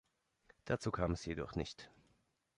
Dazu kam es jedoch nicht.